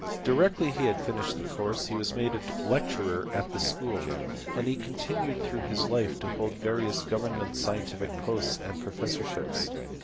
Directly he had finished his course he was made a lecturer at the school, and he continued through his life to hold various government scientific posts and professorships.